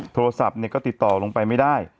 โทรศัพท์ก็ติดต่อลงไปไม่ได้